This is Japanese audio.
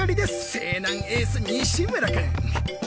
勢南エース西村君！